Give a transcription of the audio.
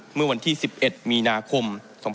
เมื่อวันที่๑๑มีนาคม๒๕๖๒